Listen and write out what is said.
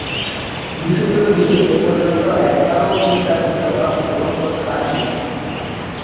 বিষুবীয় Guinea এপর্যন্ত একবারও FIFA বিশ্বকাপে অংশগ্রহণ করতে পারেনি।